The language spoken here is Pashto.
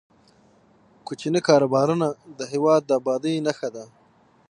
کوچني کاروبارونه د هیواد د ابادۍ نښه ده.